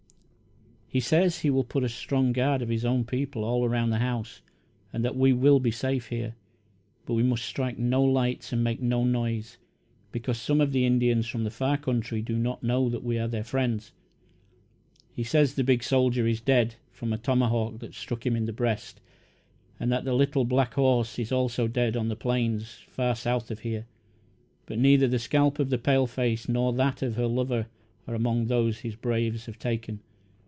"He says he will put a strong guard of his own people all around the house and that we will be safe here, but we must strike no lights and make no noise, because some of the Indians from the far country do not know that we are their friends. He says the big soldier is dead, from a tomahawk that struck him in the breast, and that the little black horse is also dead on the plains far south of here; but neither the scalp of the paleface nor that of her lover are among those his braves have taken.